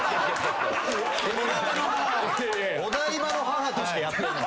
お台場の母としてやってんの？